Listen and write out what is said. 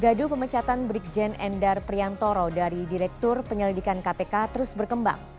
gaduh pemecatan brigjen endar priantoro dari direktur penyelidikan kpk terus berkembang